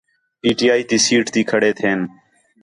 پی ٹی آئی تی سیٹ تے کھڑے تھین٘دِن